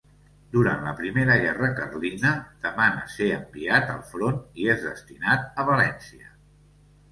Durant la primera guerra carlina demana ser enviat al front i és destinat a València.